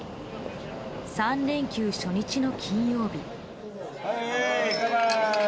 ３連休初日の金曜日。